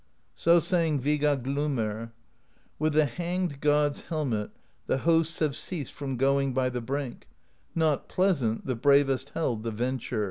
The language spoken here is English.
So sang Viga Gliimr: With the Hanged God's helmet The hosts have ceased from going By the brink; not pleasant The bravest held the venture.